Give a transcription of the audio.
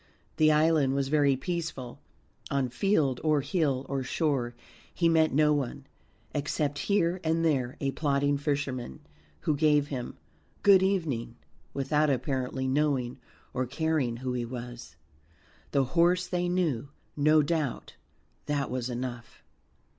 The island was very peaceful; on field or hill or shore he met no one, except here and there a plodding fisherman, who gave him "Good evening" without apparently knowing or caring who he was. The horse they knew, no doubt, that was enough.